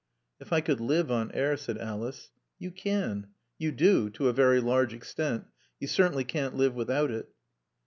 "If I could live on air!" said Alice. "You can you do to a very large extent. You certainly can't live without it."